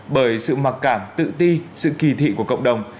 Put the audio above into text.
bởi sự mặc cảm tự ti sự kỳ thị của cộng đồng